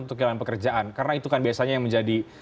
untuk kehilangan pekerjaan karena itu kan biasanya yang menjadi